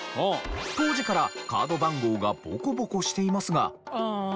当時からカード番号がボコボコしていますが。